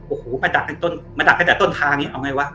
โอ้โหมาดักให้แต่ต้นทางเนี่ยเอาไงวะ